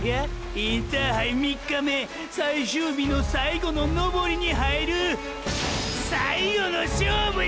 インターハイ３日目ぇ最終日の最後の登りに入るぅ最後の勝負や！！！！